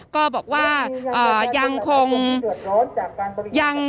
ก็บอกว่ายังคง